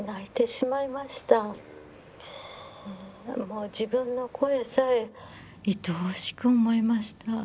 もう自分の声さえいとおしく思いました。